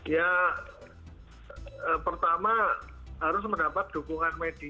ya pertama harus mendapat dukungan media